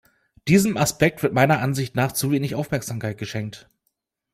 Diesem Aspekt wird meiner Ansicht nach zu wenig Aufmerksamkeit geschenkt.